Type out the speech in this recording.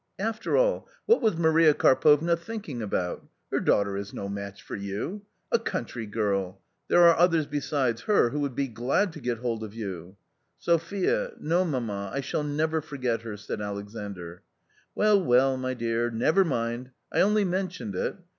" After all, what was Maria Karpovna thinking about ? Her ) daughter is no match for you. A country girl ! There » are others besides her who would be glad to get hold of you." " Sophia — no, mamma — I shall never forget her," said ( Alexandr. "Well, well, my dear, never mind, I only mentioned it.